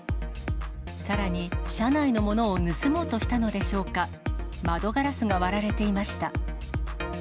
さらに、車内のものを盗もうとしたのでしょうか、窓ガラスが割られていました。